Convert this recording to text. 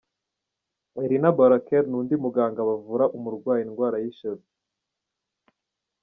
Elina Barraquer n’undi muganga bavura umurwayi indwara y’ishaza.